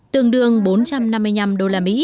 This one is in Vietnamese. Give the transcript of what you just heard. khoảng bốn trăm năm mươi năm usd